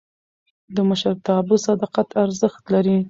د مشرتابه صداقت ارزښت لري